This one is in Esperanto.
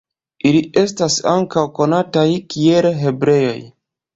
Ili estas ankaŭ konataj kiel hebreoj.